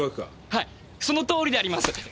はいそのとおりであります。